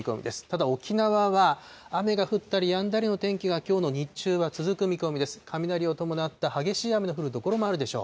ただ、沖縄は雨が降ったりやんだりの天気が、きょうの日中は続く見込みです。